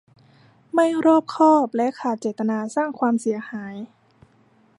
ไม่รอบคอบและขาดเจตนาสร้างความเสียหาย